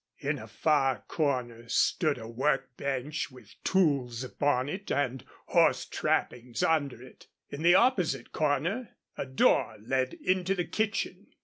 In a far corner stood a work bench, with tools upon it and horse trappings under it. In the opposite corner a door led into the kitchen.